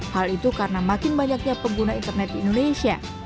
hal itu karena makin banyaknya pengguna internet di indonesia